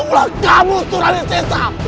ulah kamu surawisisa